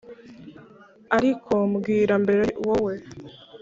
ariko mbwira mbere, wowe !